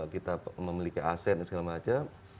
kita memiliki aset dan segala macam